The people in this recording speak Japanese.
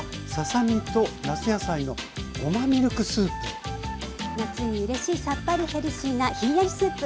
さあ続いては夏にうれしいさっぱりヘルシーなひんやりスープ。